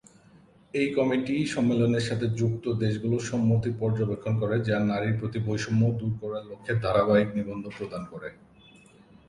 এই কমিটি সম্মেলনের সাথে যুক্ত দেশগুলির সম্মতি পর্যবেক্ষণ করে, যা নারীর প্রতি বৈষম্য দূর করার লক্ষ্যে ধারাবাহিক নিবন্ধ প্রদান করে।